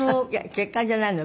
血管じゃないの？